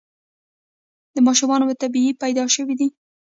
ماشومان مو طبیعي پیدا شوي دي؟